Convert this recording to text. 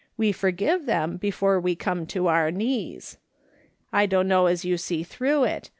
We forgive them before we come to uur knees.' " I dunno as you see through it.